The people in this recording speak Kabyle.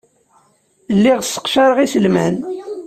Lliɣ sseqcareɣ iselman.